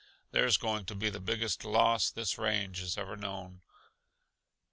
"There's going to be the biggest loss this range has ever known."